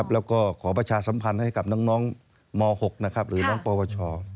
แล้วก็ขอประชาสัมพันธ์ให้กับน้องม๖หรือน้องปวช